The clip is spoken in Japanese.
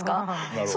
なるほど。